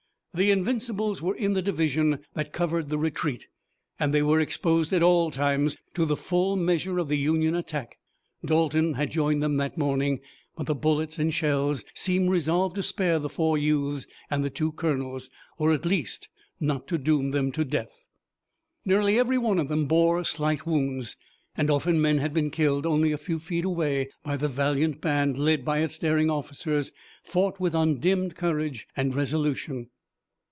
The Invincibles were in the division that covered the retreat, and they were exposed at all times to the full measure of the Union attack. Dalton had joined them that morning, but the bullets and shells seemed resolved to spare the four youths and the two colonels, or at least not to doom them to death. Nearly every one of them bore slight wounds, and often men had been killed only a few feet away, but the valiant band, led by its daring officers, fought with undimmed courage and resolution.